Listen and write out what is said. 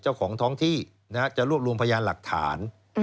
เจ้าของท้องที่จะรวบรวมพยานหลักฐาน